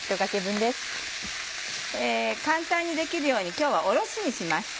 簡単にできるように今日はおろしにしました。